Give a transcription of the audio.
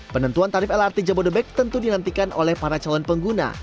penentuan tarif lrt jabodebek tentu dinantikan oleh para calon pengguna